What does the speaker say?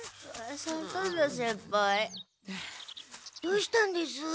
どうしたんです？